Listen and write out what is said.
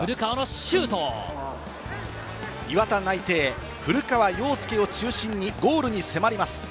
磐田内定、古川陽介を中心にゴールに迫ります。